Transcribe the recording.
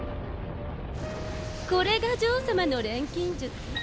これがジョー様の錬金術。